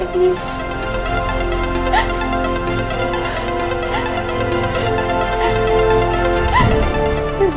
betamu yang luar biasa